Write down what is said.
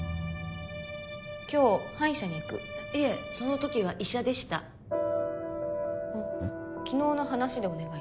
「今日歯医者に行く」いえそのときは「医者」でした「昨日の話でお願い」